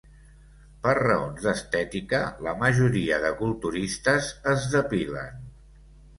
Per raons d'estètica, la majoria de culturistes es depilen.